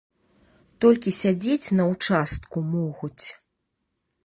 Толькі сядзець на ўчастку могуць.